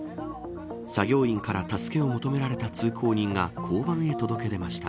作業員から助けを求められた通行人が交番へ届けました。